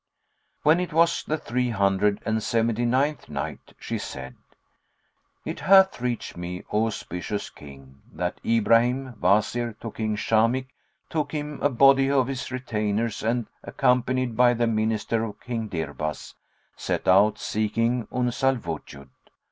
When it was the Three Hundred and Seventy ninth Night, She said, It hath reached me, O auspicious King, that Ibrahim, Wazir to King Shamikh, took him a body of his retainers and, accompanied by the Minister of King Dirbas, set out seeking Uns al Wujud.